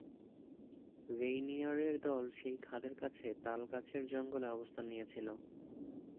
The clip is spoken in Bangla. রেইনিয়ারের দল সেই খাদের কাছে তাল গাছের জঙ্গলে অবস্থান নিয়েছিল।